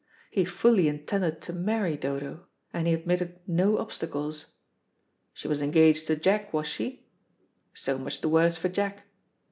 He fully intended to marry Dodo, and he admitted no obstacles. She was engaged to Jack, was she? So much the worse for Jack.